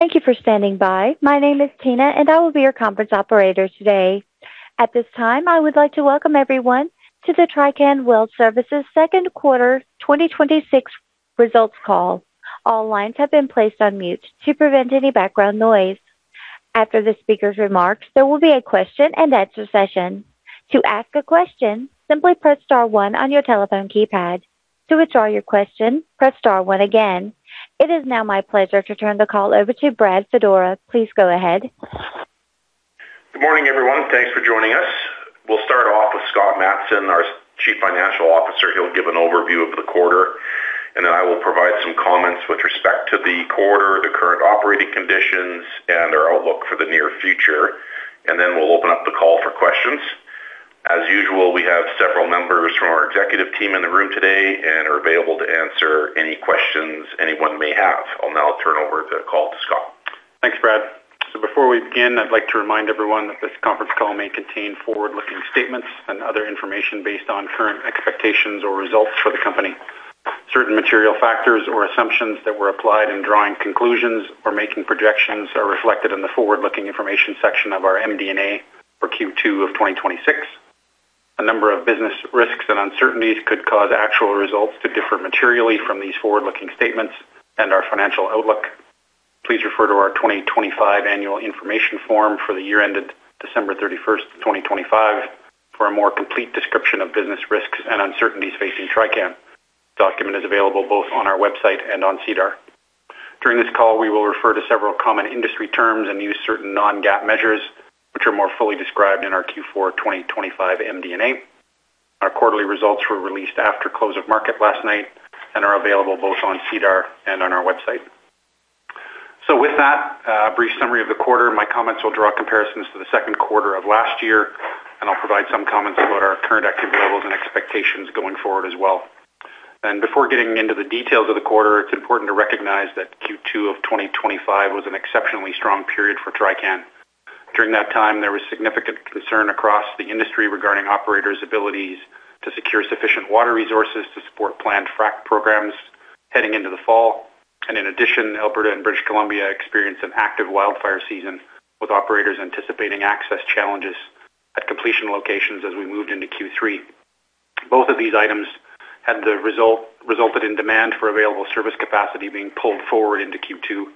Thank you for standing by. My name is Tina, and I will be your conference operator today. At this time, I would like to welcome everyone to the Trican Well Service Second Quarter 2026 Results Call. All lines have been placed on mute to prevent any background noise. After the speaker's remarks, there will be a question and answer session. To ask a question, simply press star one on your telephone keypad. To withdraw your question, press star one again. It is now my pleasure to turn the call over to Brad Fedora. Please go ahead. Good morning, everyone. Thanks for joining us. We will start off with Scott Matson, our Chief Financial Officer. He will give an overview of the quarter, and then I will provide some comments with respect to the quarter, the current operating conditions, and our outlook for the near future. Then we will open up the call for questions. As usual, we have several members from our executive team in the room today and are available to answer any questions anyone may have. I will now turn over the call to Scott. Thanks, Brad. Before we begin, I would like to remind everyone that this conference call may contain forward-looking statements and other information based on current expectations or results for the company. Certain material factors or assumptions that were applied in drawing conclusions or making projections are reflected in the forward-looking information section of our MD&A for Q2 of 2026. A number of business risks and uncertainties could cause actual results to differ materially from these forward-looking statements and our financial outlook. Please refer to our 2025 annual information form for the year ended December 31st, 2025 for a more complete description of business risks and uncertainties facing Trican. Document is available both on our website and on SEDAR. During this call, we will refer to several common industry terms and use certain non-GAAP measures, which are more fully described in our Q4 2025 MD&A. Our quarterly results were released after close of market last night and are available both on SEDAR and on our website. With that, a brief summary of the quarter. My comments will draw comparisons to the second quarter of last year, and I will provide some comments about our current activity levels and expectations going forward as well. Before getting into the details of the quarter, it is important to recognize that Q2 of 2025 was an exceptionally strong period for Trican. During that time, there was significant concern across the industry regarding operators' abilities to secure sufficient water resources to support planned frack programs heading into the fall. In addition, Alberta and British Columbia experienced an active wildfire season, with operators anticipating access challenges at completion locations as we moved into Q3. Both of these items had resulted in demand for available service capacity being pulled forward into Q2.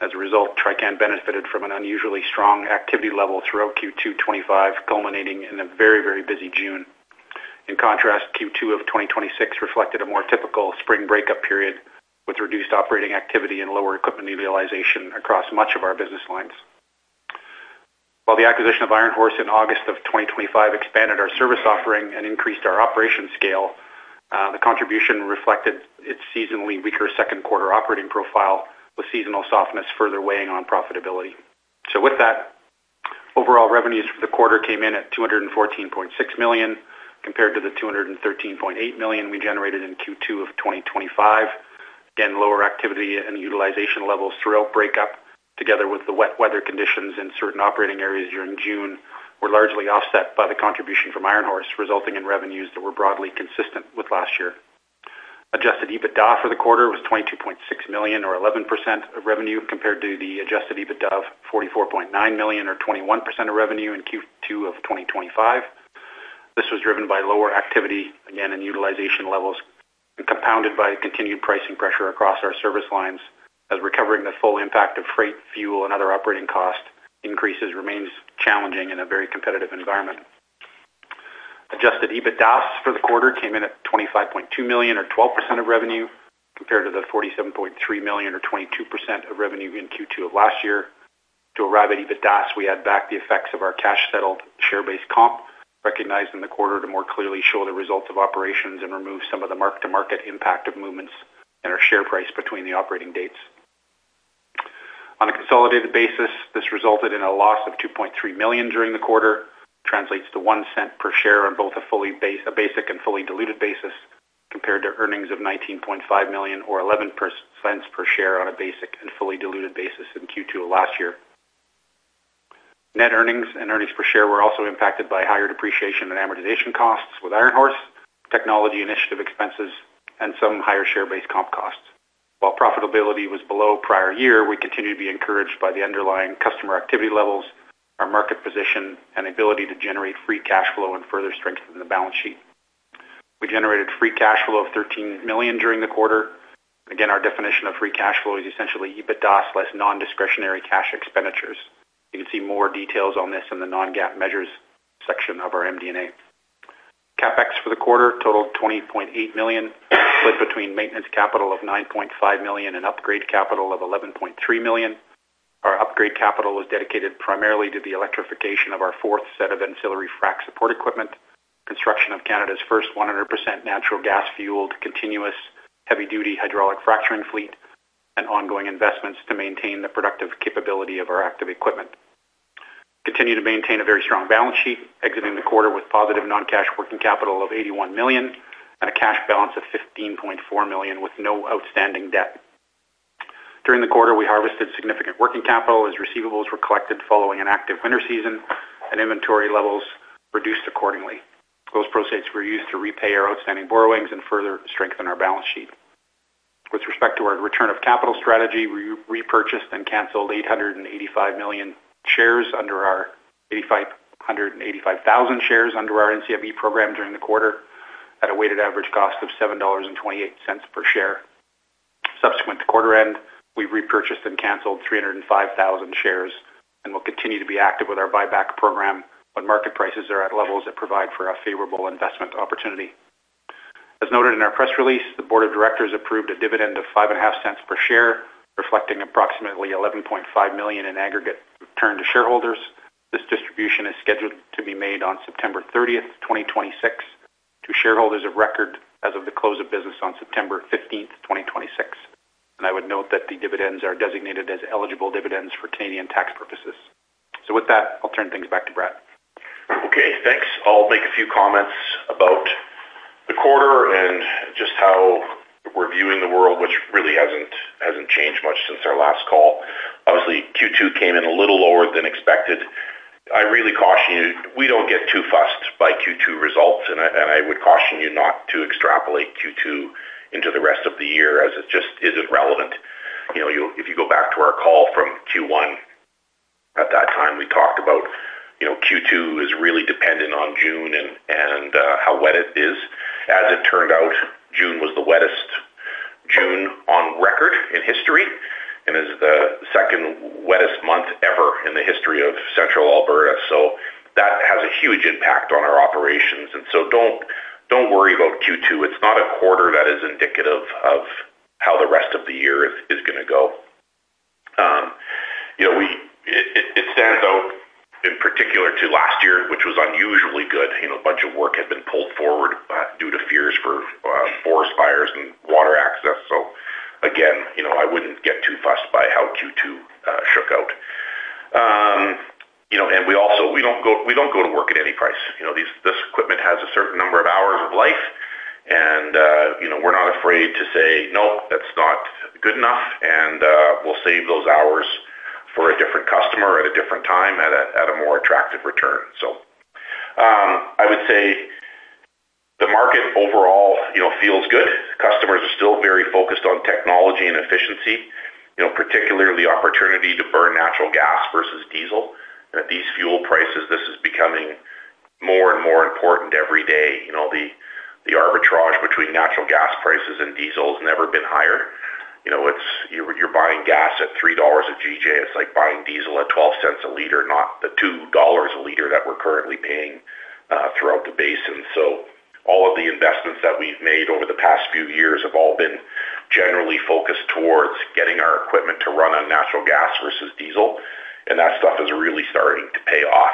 As a result, Trican benefited from an unusually strong activity level throughout Q2 2025, culminating in a very busy June. In contrast, Q2 of 2026 reflected a more typical spring breakup period with reduced operating activity and lower equipment utilization across much of our business lines. While the acquisition of Iron Horse in August of 2025 expanded our service offering and increased our operation scale, the contribution reflected its seasonally weaker second quarter operating profile, with seasonal softness further weighing on profitability. Overall revenues for the quarter came in at 214.6 million, compared to the 213.8 million we generated in Q2 of 2025. Lower activity and utilization levels throughout breakup, together with the wet weather conditions in certain operating areas during June, were largely offset by the contribution from Iron Horse, resulting in revenues that were broadly consistent with last year. Adjusted EBITDA for the quarter was 22.6 million or 11% of revenue, compared to the adjusted EBITDA of 44.9 million or 21% of revenue in Q2 2025. This was driven by lower activity, again in utilization levels, and compounded by continued pricing pressure across our service lines, as recovering the full impact of freight, fuel, and other operating cost increases remains challenging in a very competitive environment. Adjusted EBITDA for the quarter came in at 25.2 million or 12% of revenue, compared to the 47.3 million or 22% of revenue in Q2 of last year. To arrive at EBITDA, we add back the effects of our cash-settled share-based comp recognized in the quarter to more clearly show the results of operations and remove some of the mark-to-market impact of movements in our share price between the operating dates. On a consolidated basis, this resulted in a loss of 2.3 million during the quarter. That translates to 0.01 per share on both a basic and fully diluted basis, compared to earnings of 19.5 million or 0.11 per share on a basic and fully diluted basis in Q2 of last year. Net earnings and earnings per share were also impacted by higher depreciation and amortization costs with Iron Horse, technology initiative expenses, and some higher share-based comp costs. While profitability was below prior year, we continue to be encouraged by the underlying customer activity levels, our market position, and ability to generate free cash flow and further strengthen the balance sheet. We generated free cash flow of 13 million during the quarter. Our definition of free cash flow is essentially EBITDA less nondiscretionary cash expenditures. You can see more details on this in the non-GAAP measures section of our MD&A. CapEx for the quarter totaled 20.8 million, split between maintenance capital of 9.5 million and upgrade capital of 11.3 million. Our upgrade capital was dedicated primarily to the electrification of our fourth set of ancillary frack support equipment, construction of Canada's first 100% natural gas-fueled, continuous heavy-duty hydraulic fracturing fleet, and ongoing investments to maintain the productive capability of our active equipment. Continue to maintain a very strong balance sheet, exiting the quarter with positive non-cash working capital of 81 million and a cash balance of 15.4 million with no outstanding debt. During the quarter, we harvested significant working capital as receivables were collected following an active winter season and inventory levels reduced accordingly. Those proceeds were used to repay our outstanding borrowings and further strengthen our balance sheet. With respect to our return of capital strategy, we repurchased and canceled 885,000 shares under our NCIB program during the quarter at a weighted average cost of 7.28 dollars per share. Subsequent to quarter end, we repurchased and canceled 305,000 shares and will continue to be active with our buyback program when market prices are at levels that provide for a favorable investment opportunity. As noted in our press release, the board of directors approved a dividend of 0.055 per share, reflecting approximately 11.5 million in aggregate return to shareholders. This distribution is scheduled to be made on September 30th, 2026 to shareholders of record as of the close of business on September 15th, 2026. I would note that the dividends are designated as eligible dividends for Canadian tax purposes. With that, I'll turn things back to Brad. Okay, thanks. I'll make a few comments about the quarter and just how we're viewing the world, which really hasn't changed much since our last call. Obviously, Q2 came in a little lower than expected. I really caution you, we don't get too fussed by Q2 results, and I would caution you not to extrapolate Q2 into the rest of the year, as it just isn't relevant. If you go back to our call from Q1, at that time, we talked about Q2 is really dependent on June and how wet it is. As it turned out, June was the wettest June on record in history and is the second wettest month ever in the history of Central Alberta. That has a huge impact on our operations, don't worry about Q2. It's not a quarter that is indicative of how the rest of the year is going to go. It stands out in particular to last year, which was unusually good. A bunch of work had been pulled forward due to fears for forest fires and water access. Again, I wouldn't get too fussed by how Q2 shook out. We don't go to work at any price. This equipment has a certain number of hours of life, and we're not afraid to say, "No, that's not good enough," and we'll save those hours for a different customer at a different time at a more attractive return. I would say the market overall feels good. Customers are still very focused on technology and efficiency, particularly opportunity to burn natural gas versus diesel. At these fuel prices, this is becoming more and more important every day. The arbitrage between natural gas prices and diesel has never been higher. You're buying gas at 3 dollars a GJ. It's like buying diesel at 0.12 a liter, not the 2 dollars a liter that we're currently paying throughout the basin. All of the investments that we've made over the past few years have all been generally focused towards getting our equipment to run on natural gas versus diesel. That stuff is really starting to pay off.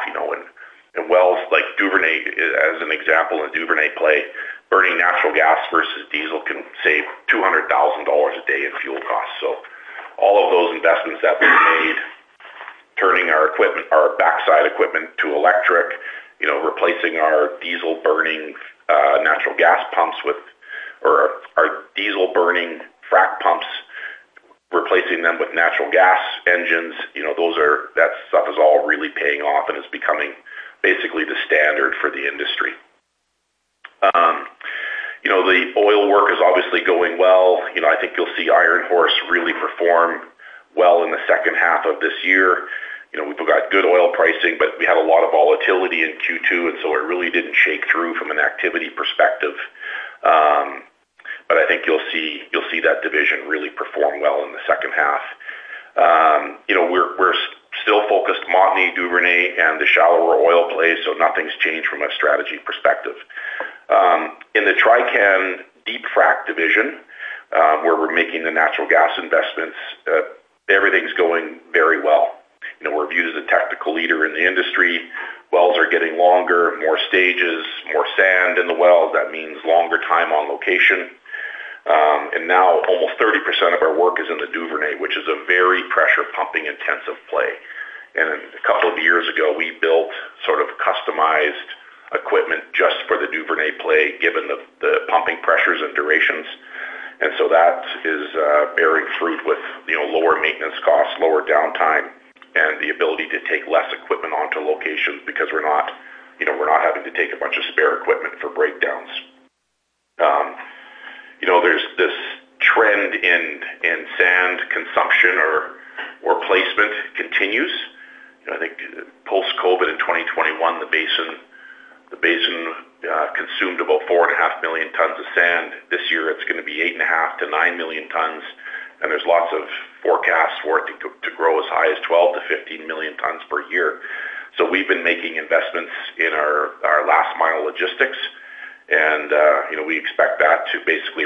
Wells like Duvernay, as an example, in Duvernay play, burning natural gas versus diesel can save 200,000 dollars a day in fuel costs. All of those investments that we've made, turning our backside equipment to electric, replacing our diesel-burning frac pumps, replacing them with natural gas engines, that stuff is all really paying off and is becoming basically the standard for the industry. The oil work is obviously going well. I think you'll see Iron Horse really perform well in the second half of this year. We've got good oil pricing, but we had a lot of volatility in Q2. It really didn't shake through from an activity perspective. I think you'll see that division really perform well in the second half. We're still focused Montney, Duvernay, and the shallower oil plays. Nothing's changed from a strategy perspective. In the Trican Deep Frac division, where we're making the natural gas investments, everything's going very well. We're viewed as a technical leader in the industry. Wells are getting longer, more stages, more sand in the wells. That means longer time on location. Now almost 30% of our work is in the Duvernay, which is a very pressure pumping-intensive play. A couple of years ago, we built sort of customized equipment just for the Duvernay play, given the pumping pressures and durations. That is bearing fruit with lower maintenance costs, lower downtime, and the ability to take less equipment onto locations because we're not having to take a bunch of spare equipment for breakdowns. There's this trend in sand consumption or placement continues. I think post-COVID in 2021, the basin consumed about 4.5 million tons of sand. This year, it's going to be 8.5 million-9 million tons, and there's lots of forecasts for it to grow as high as 12 million-15 million tons per year. We've been making investments in our last-mile logistics. We expect that to basically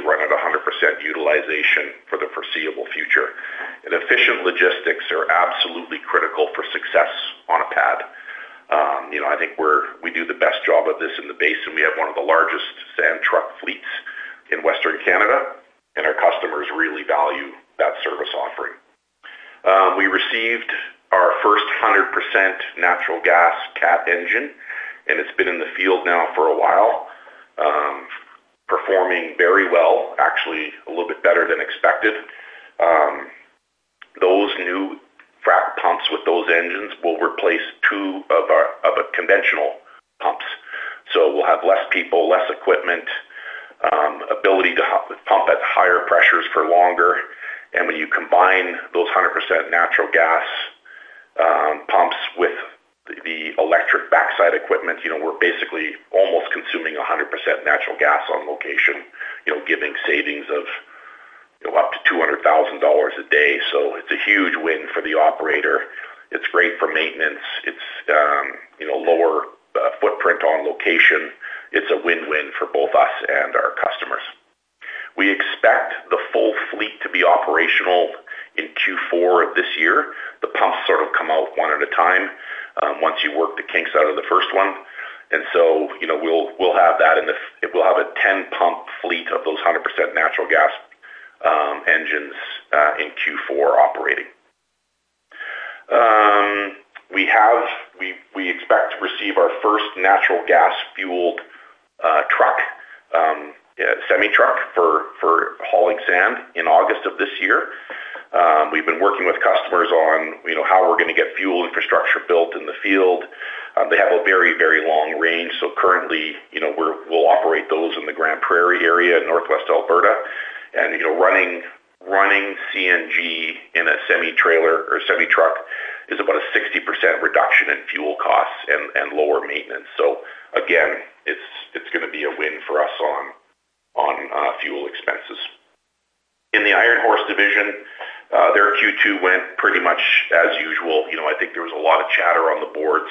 run at 100% utilization for the foreseeable future. Efficient logistics are absolutely critical for success on a pad. I think we do the best job of this in the basin. We have one of the largest sand truck fleets in Western Canada. Our customers really value that service offering. We received our first 100% natural gas Cat engine. It's been in the field now for a while, performing very well, actually a little bit better than expected. It will replace two of our conventional pumps. We'll have less people, less equipment, ability to pump at higher pressures for longer. When you combine those 100% natural gas pumps with the electric backside equipment, we're basically almost consuming 100% natural gas on location, giving savings of up to 200,000 dollars a day. It's a huge win for the operator. It's great for maintenance. It's lower footprint on location. It's a win-win for both us and our customers. We expect the full fleet to be operational in Q4 of this year. The pumps sort of come out one at a time, once you work the kinks out of the first one. We'll have a 10-pump fleet of those 100% natural gas engines in Q4 operating. We expect to receive our first natural gas-fueled semi-truck for hauling sand in August of this year. We've been working with customers on how we're going to get fuel infrastructure built in the field. They have a very long range. Currently, we'll operate those in the Grande Prairie area in northwest Alberta. Running CNG in a semi-trailer or semi-truck is about a 60% reduction in fuel costs and lower maintenance. Again, it's going to be a win for us on fuel expenses. In the Iron Horse division, their Q2 went pretty much as usual. I think there was a lot of chatter on the boards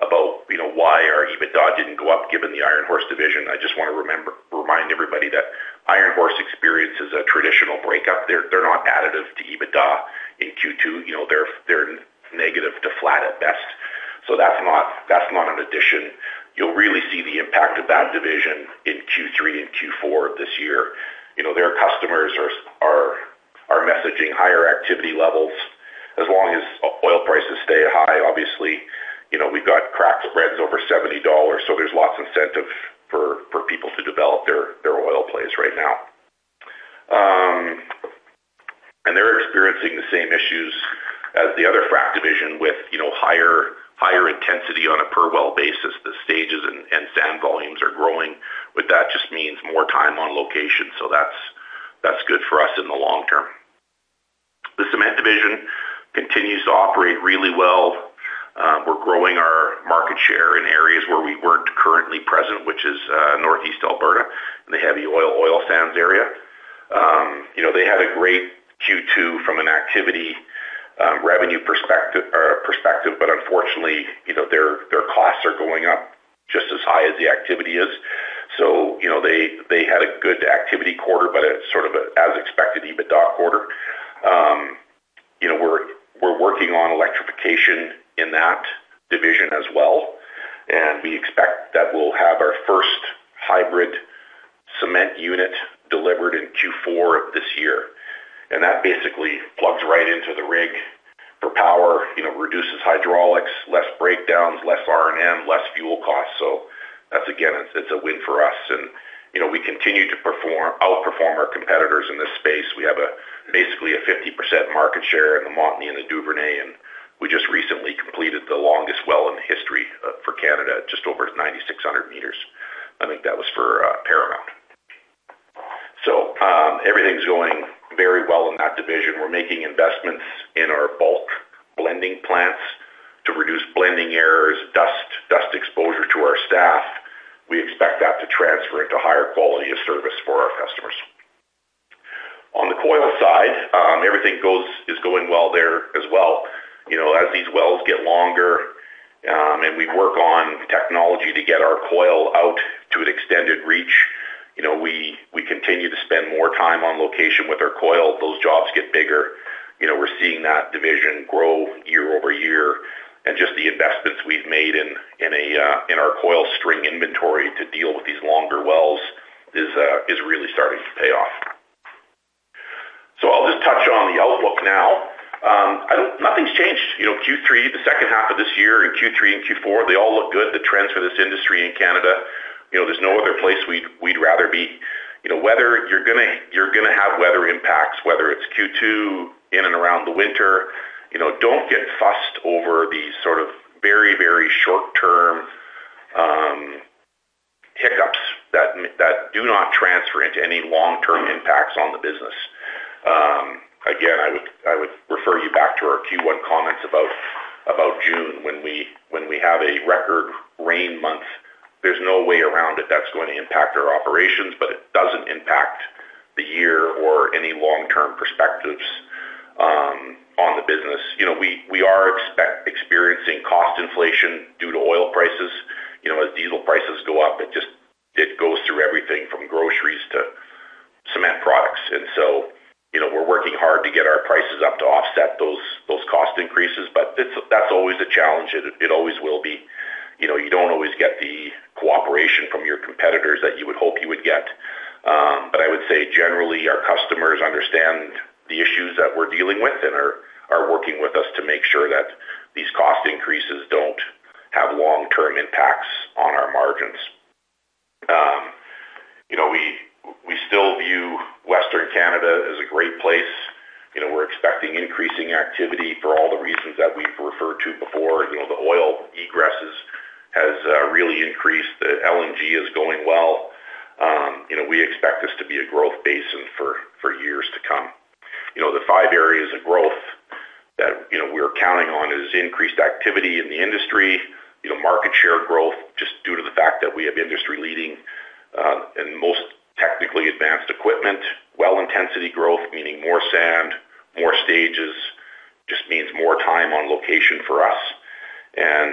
about why our EBITDA didn't go up given the Iron Horse division. I just want to remind everybody that Iron Horse experiences a traditional breakup. They're not additive to EBITDA in Q2. They're negative to flat at best. That's not an addition. You'll really see the impact of that division in Q3 and Q4 of this year. Their customers are messaging higher activity levels as long as oil prices stay high. Obviously, we've got crack spreads over 70 dollars, so there's a lot incentive for people to develop their oil plays right now. They're experiencing the same issues as the other frack division with higher intensity on a per-well basis. The stages and sand volumes are growing, but that just means more time on location. That's good for us in the long-term. The Cement Division continues to operate really well. We're growing our market share in areas where we weren't currently present, which is northeast Alberta in the heavy oil sands area. They had a great Q2 from an activity revenue perspective, but unfortunately, their costs are going up just as high as the activity is. They had a good activity quarter, but it's sort of as expected EBITDA quarter. We're working on electrification in that division as well, and we expect that we'll have our first hybrid Cement unit delivered in Q4 this year. That basically plugs right into the rig for power, reduces hydraulics, less breakdowns, less R&M, less fuel costs. Again, it's a win for us and we continue to outperform our competitors in this space. We have basically a 50% market share in the Montney and the Duvernay, and we just recently completed the longest well in the history for Canada, just over 9,600 m. I think that was for Paramount. Everything's going very well in that division. We're making investments in our bulk blending plants to reduce blending errors, dust exposure to our staff. We expect that to transfer into higher quality of service for our customers. On the coil side, everything is going well there as well. As these wells get longer, and we work on technology to get our coil out to an extended reach, we continue to spend more time on location with our coil. Those jobs get bigger. We're seeing that division grow year-over-year, and just the investments we've made in our coil string inventory to deal with these longer wells is really starting to pay off. I'll just touch on the outlook now. Nothing's changed. Q3, the second half of this year in Q3 and Q4, they all look good. The trends for this industry in Canada, there's no other place we'd rather be. You're gonna have weather impacts, whether it's Q2 in and around the winter. Don't get fussed over the sort of very short-term hiccups that do not transfer into any long-term impacts on the business. Again, I would refer you back to our Q1 comments about June when we have a record rain month. There's no way around it. That's going to impact our operations, but it doesn't impact the year or any long-term perspectives on the business. We are experiencing cost inflation due to oil prices. As diesel prices go up, it goes through everything from groceries to cement products. We're working hard to get our prices up to offset those cost increases, but that's always a challenge and it always will be. You don't always get the cooperation from your competitors that you would hope you would get. I would say generally, our customers understand the issues that we're dealing with and are working with us to make sure that these cost increases don't have long-term impacts on our margins. Is a great place. We're expecting increasing activity for all the reasons that we've referred to before. The oil egress has really increased. The LNG is going well. We expect this to be a growth basin for years to come. The five areas of growth that we're counting on is increased activity in the industry, market share growth just due to the fact that we have industry-leading, and most technically advanced equipment, well intensity growth, meaning more sand, more stages, just means more time on location for us.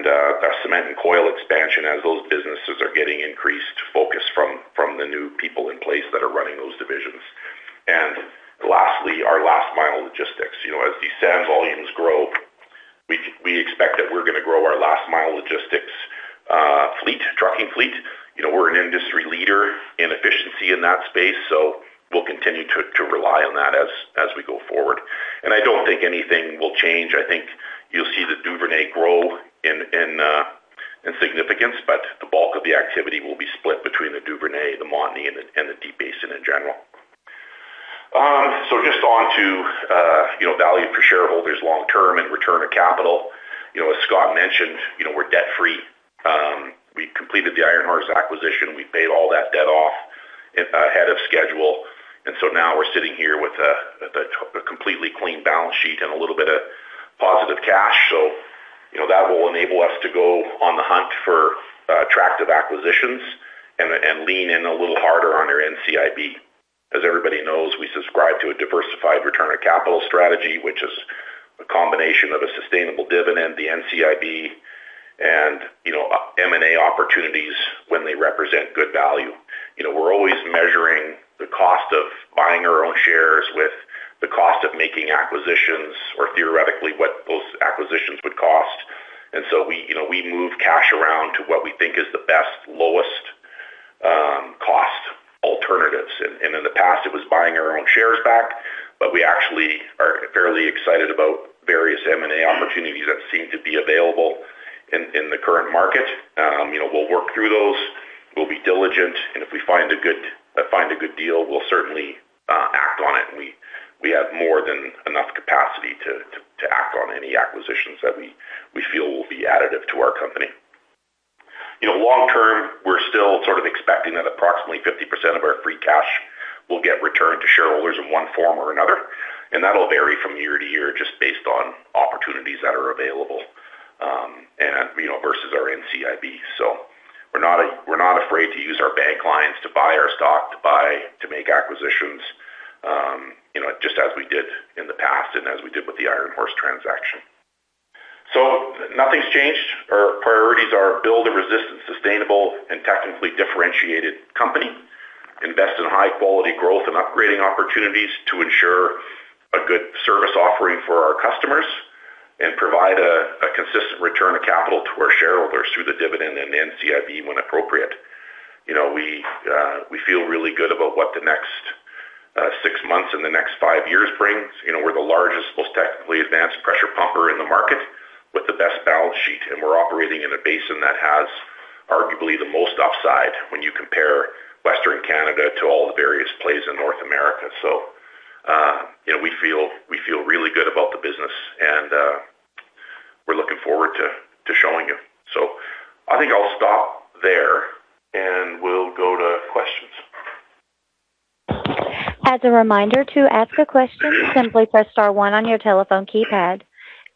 Our cement and coil expansion as those businesses are getting increased focus from the new people in place that are running those divisions. Lastly, our last-mile logistics. As the sand volumes grow, we expect that we're going to grow our last-mile logistics trucking fleet. We're an industry leader in efficiency in that space, so we'll continue to rely on that as we go forward. I don't think anything will change. I think you'll see the Duvernay grow in significance, but the bulk of the activity will be split between the Duvernay, the Montney, and the Deep Basin in general. Just on to value for shareholders long-term and return of capital. As Scott mentioned, we're debt-free. We completed the Iron Horse acquisition. We paid all that debt off ahead of schedule. Now we're sitting here with a completely clean balance sheet and a little bit of positive cash. That will enable us to go on the hunt for attractive acquisitions and lean in a little harder on our NCIB. As everybody knows, we subscribe to a diversified return on capital strategy, which is a combination of a sustainable dividend, the NCIB, and M&A opportunities when they represent good value. We're always measuring the cost of buying our own shares with the cost of making acquisitions, or theoretically, what those acquisitions would cost. We move cash around to what we think is the best, lowest cost alternatives. In the past, it was buying our own shares back. We actually are fairly excited about various M&A opportunities that seem to be available in the current market. We'll work through those. We'll be diligent, and if we find a good deal, we'll certainly act on it, and we have more than enough capacity to act on any acquisitions that we feel will be additive to our company. Long-term, we're still sort of expecting that approximately 50% of our free cash will get returned to shareholders in one form or another, and that'll vary from year-to-year just based on opportunities that are available and versus our NCIB. We're not afraid to use our bank lines to buy our stock, to make acquisitions just as we did in the past and as we did with the Iron Horse transaction. Nothing's changed. Our priorities are build a resistant, sustainable and technically differentiated company, invest in high-quality growth and upgrading opportunities to ensure a good service offering for our customers, and provide a consistent return of capital to our shareholders through the dividend and NCIB when appropriate. We feel really good about what the next six months and the next five years brings. We're the largest, most technically advanced pressure pumper in the market with the best balance sheet, and we're operating in a basin that has arguably the most upside when you compare Western Canada to all the various plays in North America. We feel really good about the business, and we're looking forward to showing you. I think I'll stop there, and we'll go to questions. As a reminder to ask a question, simply press star one on your telephone keypad.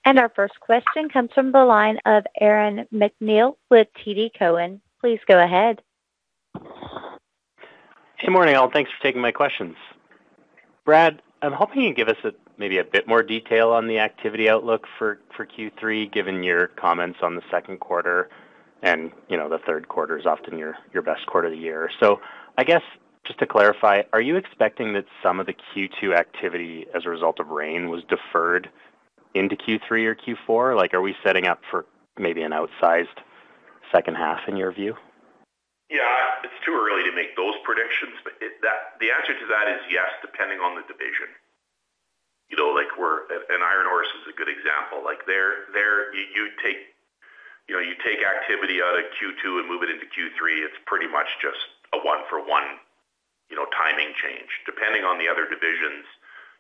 Our first question comes from the line of Aaron MacNeil with TD Cowen. Please go ahead. Good morning, all. Thanks for taking my questions. Brad, I'm hoping you can give us maybe a bit more detail on the activity outlook for Q3, given your comments on the second quarter and the third quarter is often your best quarter of the year. I guess just to clarify, are you expecting that some of the Q2 activity as a result of rain was deferred into Q3 or Q4? Are we setting up for maybe an outsized second half in your view? Yeah. It's too early to make those predictions, but the answer to that is yes, depending on the division. Iron Horse is a good example. You take activity out of Q2 and move it into Q3, it's pretty much just a one-for-one timing change. Depending on the other divisions,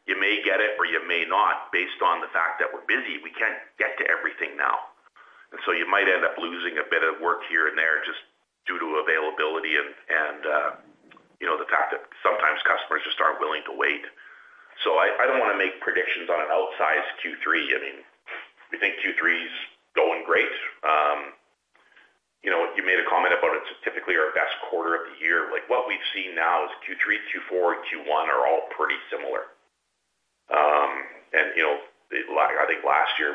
you may get it or you may not based on the fact that we're busy, we can't get to everything now. And so you might end up losing a bit of work here and there just due to availability and the fact that sometimes customers just aren't willing to wait. I don't want to make predictions on an outsized Q3. We think Q3's going great. You made a comment about it's typically our best quarter of the year. What we've seen now is Q3, Q4, and Q1 are all pretty similar. I think last year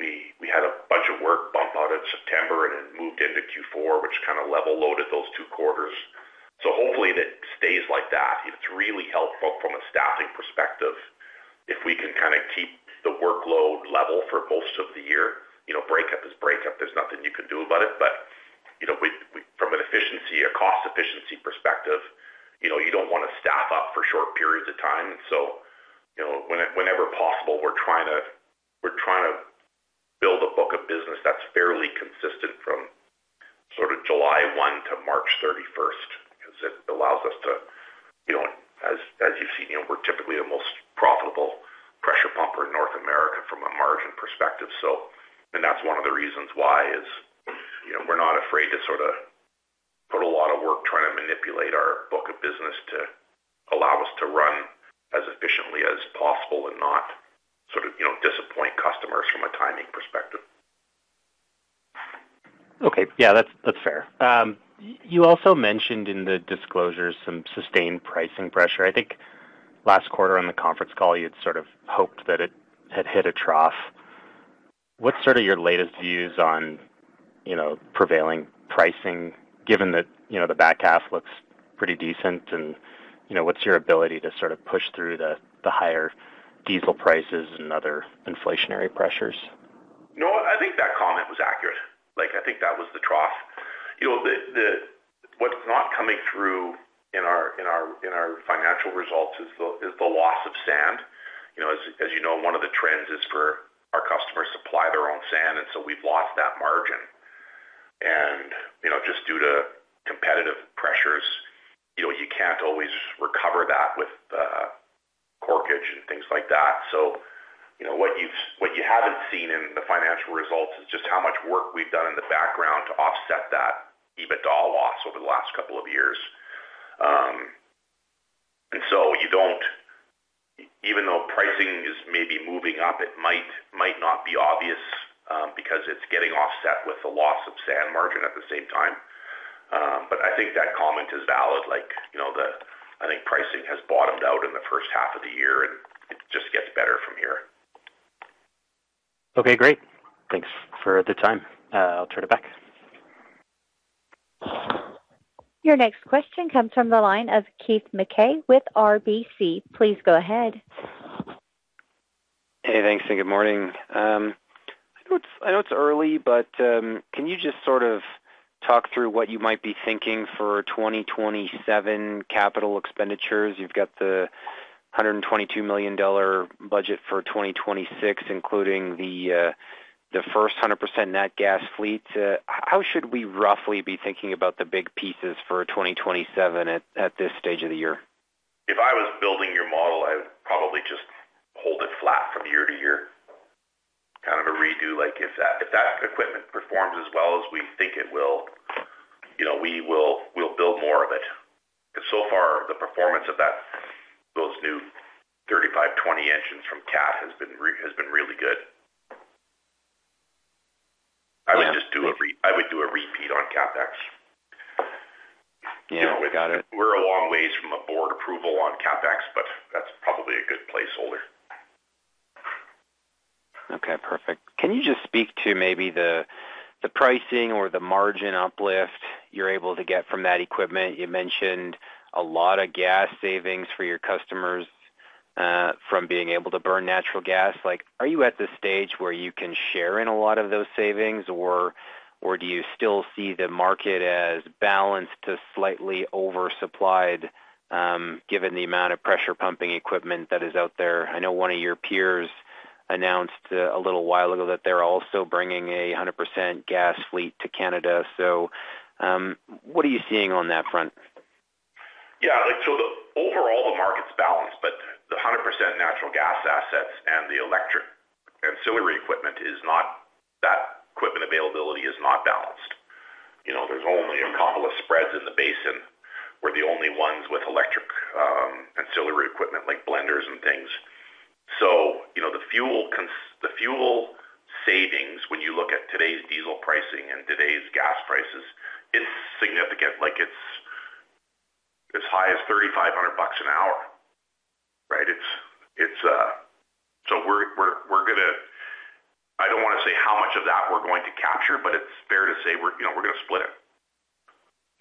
we had a bunch of work bump out of September and it moved into Q4, which kind of level-loaded those two quarters. Hopefully it stays like that. It's really helpful from a staffing perspective if we can kind of keep the workload level for most of the year. Breakup is breakup, there's nothing you can do about it. But from an efficiency, a cost efficiency perspective, you don't want to staff up for short periods of time. So, whenever possible, we're trying to March 31st, because it allows us to, as you've seen, we're typically the most profitable pressure pumper in North America from a margin perspective. That's one of the reasons why is, we're not afraid to put a lot of work trying to manipulate our book of business to allow us to run as efficiently as possible and not disappoint customers from a timing perspective. Okay. Yeah, that's fair. You also mentioned in the disclosure some sustained pricing pressure. I think last quarter on the conference call, you'd sort of hoped that it had hit a trough. What's your latest views on prevailing pricing given that the back half looks pretty decent, and what's your ability to push through the higher diesel prices and other inflationary pressures? You know what? I think that comment was accurate. I think that was the trough. What's not coming through in our financial results is the loss of sand. As you know, one of the trends is for our customers supply their own sand. We've lost that margin. Just due to competitive pressures, you can't always recover that with corkage and things like that. What you haven't seen in the financial results is just how much work we've done in the background to offset that EBITDA loss over the last couple of years. You don't Even though pricing is maybe moving up, it might not be obvious, because it's getting offset with the loss of sand margin at the same time. I think that comment is valid. I think pricing has bottomed out in the first half of the year and it just gets better from here. Okay, great. Thanks for the time. I'll turn it back. Your next question comes from the line of Keith Mackey with RBC. Please go ahead. Hey, thanks and good morning. I know it's early, but can you just sort of talk through what you might be thinking for 2027 capital expenditures? You've got the 122 million dollar budget for 2026, including the first 100% nat gas fleet. How should we roughly be thinking about the big pieces for 2027 at this stage of the year? If I was building your model, I would probably just hold it flat from year to year. Kind of a redo. If that equipment performs as well as we think it will, we'll build more of it. So far, the performance of those new 35, 20 engines from Caterpillar has been really good. Yeah. I would do a repeat on CapEx. Yeah. Got it. We're a long ways from a board approval on CapEx, but that's probably a good placeholder. Okay, perfect. Can you just speak to maybe the pricing or the margin uplift you're able to get from that equipment? You mentioned a lot of gas savings for your customers, from being able to burn natural gas. Are you at the stage where you can share in a lot of those savings, or do you still see the market as balanced to slightly oversupplied, given the amount of pressure pumping equipment that is out there? I know one of your peers announced a little while ago that they're also bringing a 100% gas fleet to Canada. What are you seeing on that front? Overall, the market's balanced, but the 100% natural gas assets and the electric ancillary equipment. That equipment availability is not balanced. There's only two spreads in the basin, we're the only ones with electric ancillary equipment like blenders and things. The fuel savings, when you look at today's diesel pricing and today's gas prices, it's significant. It's as high as 3,500 bucks an hour, right? I don't want to say how much of that we're going to capture, but it's fair to say we're going to split it.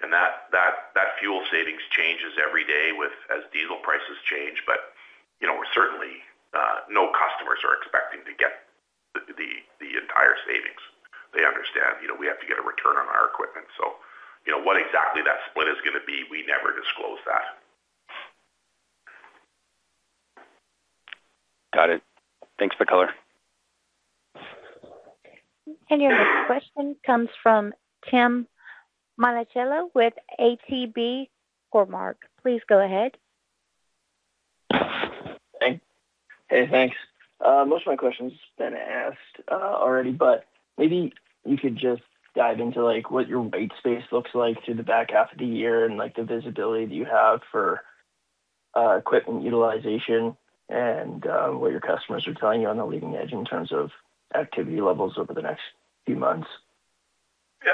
That fuel savings changes every day as diesel prices change. Certainly, no customers are expecting to get the entire savings. They understand we have to get a return on our equipment. What exactly that split is going to be, we never disclose that. Got it. Thanks for the color. Your next question comes from Tim Monachello with ATB Cormark. Please go ahead. Hey, thanks. Most of my questions have been asked already, but maybe you could just dive into what your white space looks like through the back half of the year and the visibility that you have for equipment utilization and, what your customers are telling you on the leading edge in terms of activity levels over the next few months. Yeah.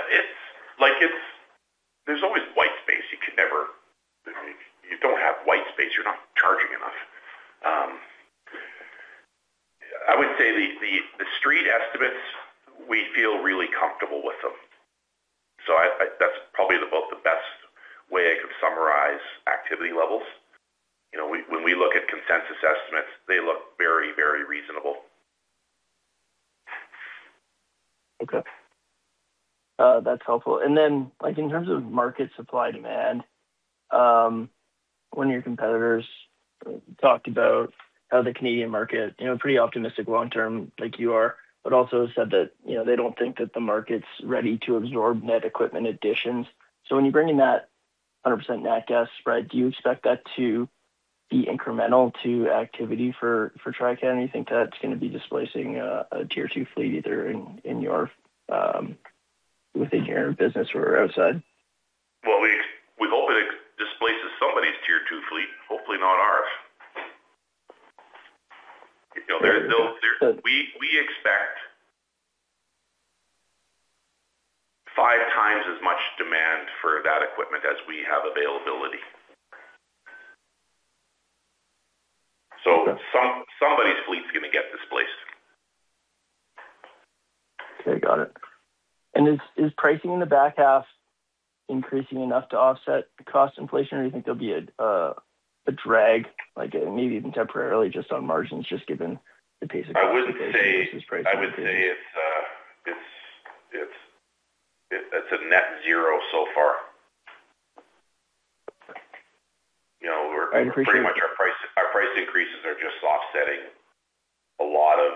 There's always white space. If you don't have white space, you're not charging enough. I would say the street estimates, we feel really comfortable with them. That's probably about the best way I could summarize activity levels. When we look at consensus estimates, they look very reasonable. Okay. That's helpful. In terms of market supply-demand One of your competitors talked about how the Canadian market, pretty optimistic long-term like you are, but also said that they don't think that the market's ready to absorb net equipment additions. When you bring in that 100% nat gas spread, do you expect that to be incremental to activity for Trican? Do you think that's going to be displacing a Tier 2 fleet, either within your business or outside? Well, we hope it displaces somebody's Tier 2 fleet, hopefully not ours. We expect five times as much demand for that equipment as we have availability. Okay. Somebody's fleet's going to get displaced. Okay, got it. Is pricing in the back half increasing enough to offset the cost inflation, or do you think there'll be a drag, maybe even temporarily just on margins, just given the pace of cost inflation versus price increases? I would say it's a net zero so far. I appreciate. Pretty much our price increases are just offsetting a lot of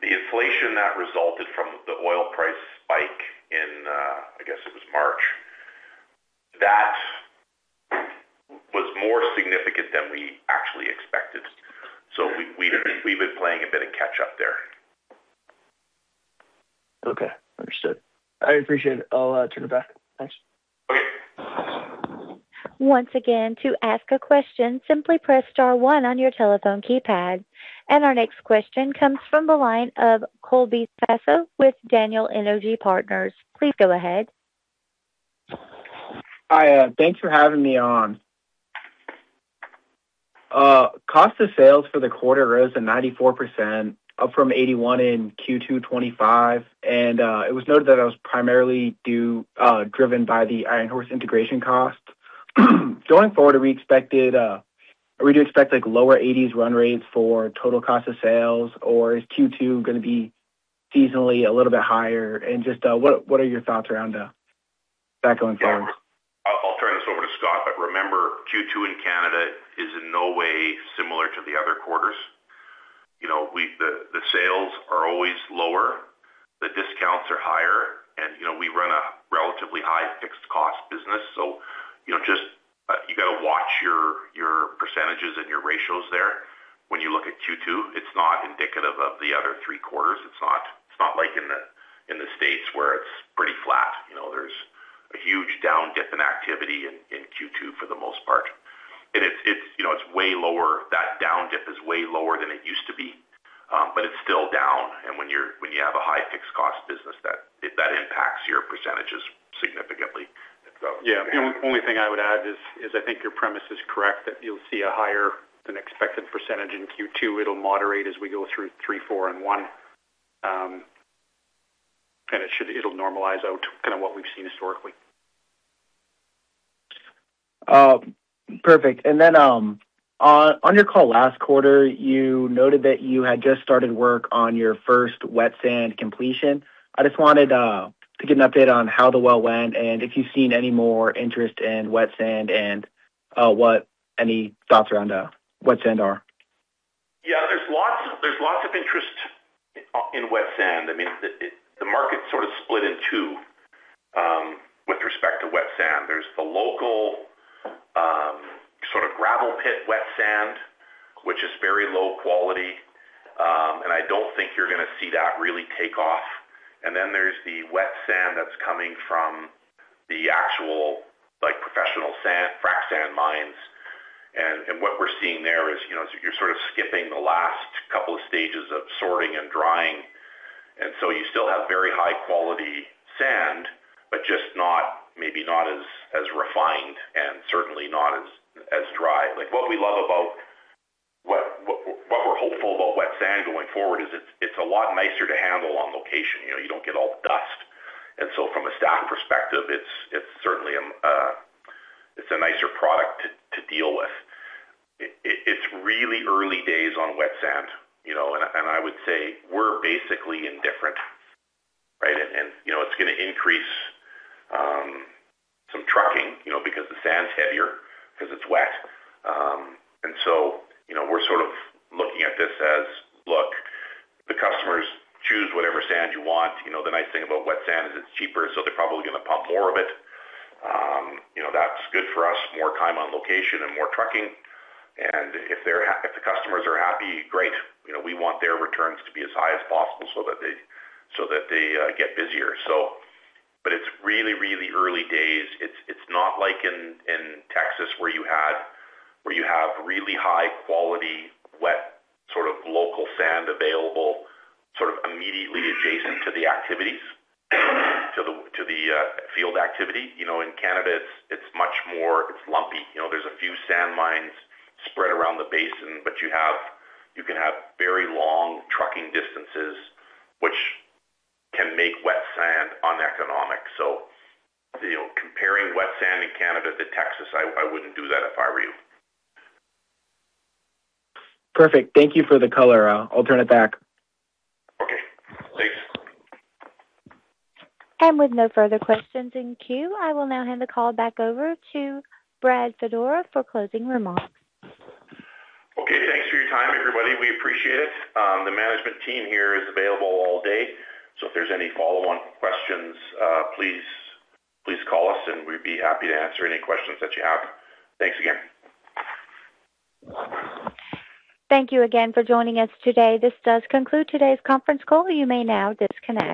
the inflation that resulted from the oil price spike in, I guess it was March. That was more significant than we actually expected. We've been playing a bit of catch up there. Okay, understood. I appreciate it. I'll turn it back. Thanks. Okay. Once again, to ask a question, simply press star one on your telephone keypad. Our next question comes from the line of Colby Sasso with Daniel Energy Partners. Please go ahead. Hi, thanks for having me on. Cost of sales for the quarter rose to 94%, up from 81 in Q2 2025. It was noted that it was primarily driven by the Iron Horse integration cost. Going forward, are we to expect lower 80s run rates for total cost of sales, or is Q2 going to be seasonally a little bit higher? Just what are your thoughts around that going forward? Yeah. I'll turn this over to Scott, but remember, Q2 in Canada is in no way similar to the other quarters. The sales are always lower, the discounts are higher, and we run a relatively high fixed cost business. You got to watch your percentages and your ratios there. When you look at Q2, it's not indicative of the other three quarters. It's not like in the U.S. where it's pretty flat. There's a huge down dip in activity in Q2 for the most part. It's way lower. That down dip is way lower than it used to be, but it's still down. When you have a high fixed cost business, that impacts your percentages significantly. Yeah. The only thing I would add is I think your premise is correct, that you'll see a higher than expected percentage in Q2. It'll moderate as we go through three, four and one. It'll normalize out to kind of what we've seen historically. Perfect. On your call last quarter, you noted that you had just started work on your first wet sand completion. I just wanted to get an update on how the well went and if you've seen any more interest in wet sand and what any thoughts around wet sand are. Yeah, there's lots of interest in wet sand. The market's sort of split in two with respect to wet sand. There's the local sort of gravel pit wet sand, which is very low quality. I don't think you're going to see that really take off. Then there's the wet sand that's coming from the actual professional frac sand mines. What we're seeing there is you're sort of skipping the last couple of stages of sorting and drying. You still have very high-quality sand, but just maybe not as refined and certainly not as dry. What we're hopeful about wet sand going forward is it's a lot nicer to handle on location. You don't get all the dust. From a staff perspective, it's a nicer product to deal with. It's really early days on wet sand, and I would say we're basically indifferent, right? It's going to increase some trucking because the sand's heavier because it's wet. We're sort of looking at this as, look, the customers choose whatever sand you want. The nice thing about wet sand is it's cheaper, so they're probably going to pump more of it. That's good for us. More time on location and more trucking. If the customers are happy, great. We want their returns to be as high as possible so that they get busier. It's really early days. It's not like in Texas where you have really high quality, wet sort of local sand available, sort of immediately adjacent to the field activity. In Canada, it's lumpy. There's a few sand mines spread around the basin, but you can have very long trucking distances, which can make wet sand uneconomic. Comparing wet sand in Canada to Texas, I wouldn't do that if I were you. Perfect. Thank you for the color. I'll turn it back. Okay, thanks. With no further questions in queue, I will now hand the call back over to Brad Fedora for closing remarks. Okay. Thanks for your time, everybody. We appreciate it. The management team here is available all day, so if there's any follow-on questions, please call us and we'd be happy to answer any questions that you have. Thanks again. Thank you again for joining us today. This does conclude today's conference call. You may now disconnect.